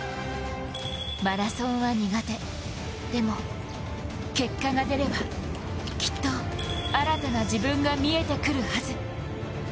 マラソンは苦手、でも結果が出れば、きっと新たな自分が見えてくるはず。